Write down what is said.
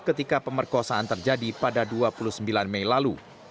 ketika pemerkosaan terjadi pada dua puluh sembilan mei lalu